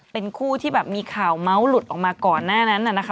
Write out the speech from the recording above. เป็นคู่ที่แบบมีข่าวเมาส์หลุดออกมาก่อนหน้านั้นนะคะ